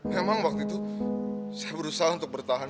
memang waktu itu saya berusaha untuk bertahan